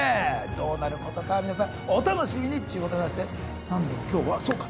どうなることか皆さんお楽しみにっちゅうことでしてなんでもきょうはそうか！